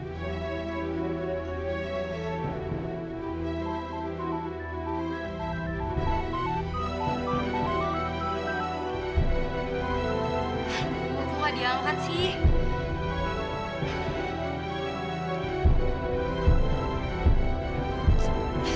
butuh gak diawat sih